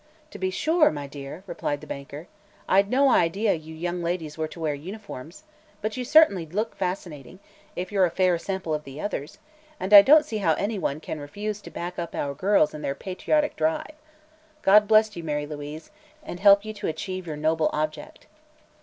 "To be sure, my dear," replied the banker. "I'd no idea you young ladies were to wear uniforms. But you certainly look fascinating, if you're a fair sample of the others, and I don't see how anyone can refuse to back up our girls in their patriotic 'drive.' God bless you, Mary Louise, and help you to achieve your noble object."